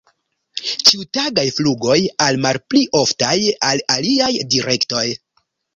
Ĉiutagaj flugoj al malpli oftaj al aliaj direktoj.